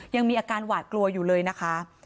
ยังมีอาการหวาดกลัวอยู่เลยนะคะ